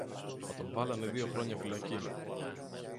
μα τον βάλανε δυο χρόνια φυλακή.